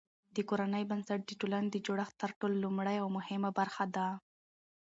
د کورنۍ بنسټ د ټولني د جوړښت تر ټولو لومړۍ او مهمه برخه ده.